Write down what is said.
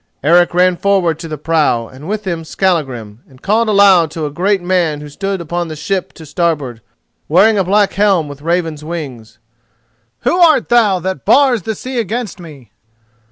Eric ran forward to the prow, and with him Skallagrim, and called aloud to a great man who stood upon the ship to starboard, wearing a black helm with raven's wings: "Who art thou that bars the sea against me?"